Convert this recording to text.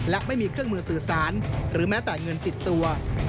และไม่มีเครื่องมือสื่อสารหรือแม้แต่เงินติดตัว